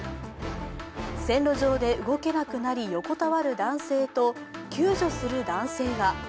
線路上で動けなくなり横たわる男性と救助する男性が。